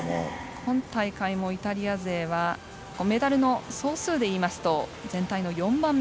今大会もイタリア勢はメダルの総数で言いますと全体の４番目。